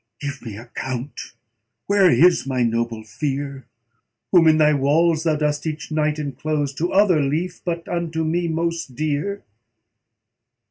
Give me account, where is my noble fere? Whom in thy walls thou dost each night enclose; To other lief; but unto me most dear."